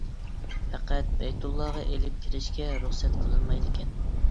پەقەت بەيتۇللاغا ئېلىپ كىرىشكە رۇخسەت قىلىنمايدىكەن.